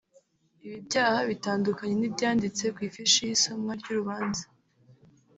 Ibi byaha bitandukanye n’ibyanditse ku ifishi y’isomwa ry’urubanza